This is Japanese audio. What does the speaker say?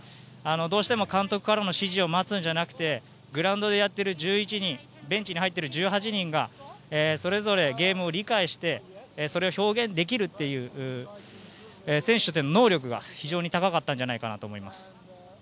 どうしても監督からの指示を待つんじゃなくてグラウンドでやっている１１人ベンチに入っている１８人がそれぞれゲームを理解してそれを表現できるという選手一人ひとりの能力が非常に高かったんじゃないかと思います。